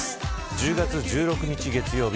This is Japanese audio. １０月１６日月曜日